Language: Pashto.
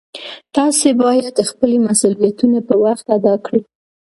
تاسې باید خپل مسؤلیتونه په وخت ادا کړئ